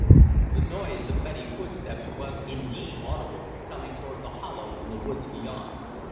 The noise of many footsteps was indeed audible, coming toward the hollow from the woods beyond.